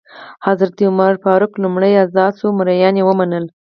حضرت عمر فاروق لومړی ازاد شوي مریان ومنل.